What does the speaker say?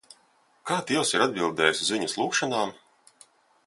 Kā Dievs ir atbildējis uz viņas lūgšanām?